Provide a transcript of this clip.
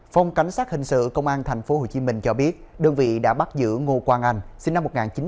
phòng cảnh sát hình sự công an tp hcm cho biết đơn vị đã bắt giữ ngô quang anh sinh năm một nghìn chín trăm tám mươi